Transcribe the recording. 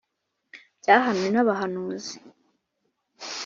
byahanuwe n`abahanuzi